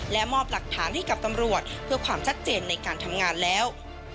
และมอบหลักฐานให้กับตำรวจเพื่อความชัดเจนในการทำงานแล้ว